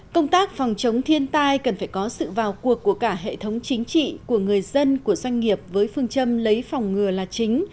công tác phòng chống thiên tai cần phải có sự vào cuộc của cả hệ thống chính trị của người dân của doanh nghiệp với phương châm lấy phòng ngừa là chính